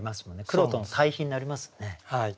黒との対比になりますよね。